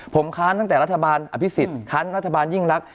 ผมค้านตั้งแต่รัฐบาลอภิษฎค้านรัฐบาลยิ่งรัก